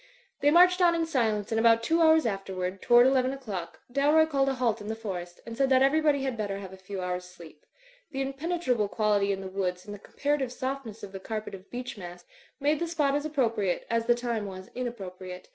They marched on in silence and about two hours afterward, toward eleven o'clock, Dalroy called a halt in the forest, and said that everybody had better have a few hours' sleep. The impenetrable quality in the woods and the comparative softness of the car 300 THE FLYING INN pet of beech mast, made the spot as appropriate as the time was inappropriate.